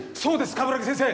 鏑木先生！